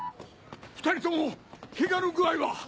２人ともケガの具合は？